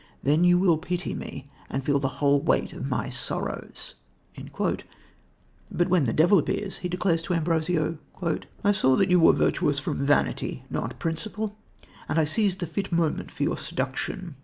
Then you will pity me and feel the whole weight of my sorrows." But when the devil appears, he declares to Ambrosio: "I saw that you were virtuous from vanity, not principle, and I seized the fit moment for your seduction.